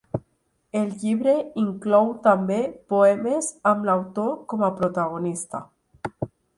El llibre inclou també poemes amb l'autor com a protagonista.